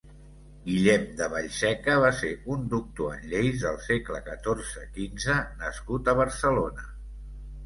Guillem de Vallseca va ser un doctor en lleis del segle catorze-quinze nascut a Barcelona.